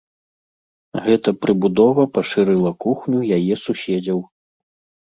Гэта прыбудова пашырыла кухню яе суседзяў.